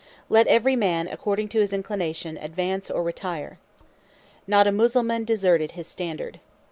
Let every man, according to his inclination, advance or retire." Not a Mussulman deserted his standard.